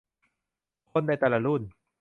คนในแต่ละรุ่น